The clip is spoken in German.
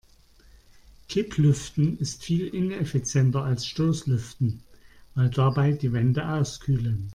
Kipplüften ist viel ineffizienter als Stoßlüften, weil dabei die Wände auskühlen.